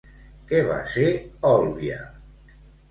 Què va ser Olbia?